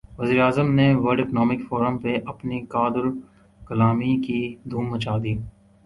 وزیر اعظم نے ورلڈ اکنامک فورم پہ اپنی قادرالکلامی کی دھوم مچا دی